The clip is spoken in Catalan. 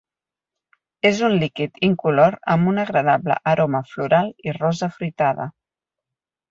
És un líquid incolor amb una agradable aroma floral i rosa afruitada.